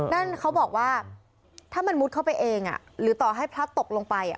นั่นเขาบอกว่าถ้ามันมุดเข้าไปเองหรือต่อให้พลัดตกลงไป